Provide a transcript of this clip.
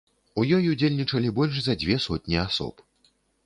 У ёй удзельнічалі больш за дзве сотні асоб.